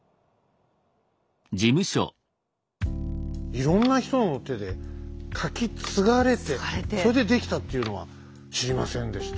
いろんな人の手で書き継がれてそれで出来たっていうのは知りませんでした。